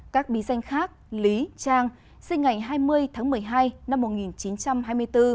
các bí danh khác lý trang sinh ngày hai mươi tháng một mươi hai năm một nghìn chín trăm hai mươi bốn